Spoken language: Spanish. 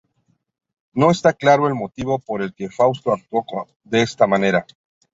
No está claro el motivo por el que Fausta actuó de esta manera.